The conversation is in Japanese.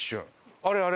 あれあれ！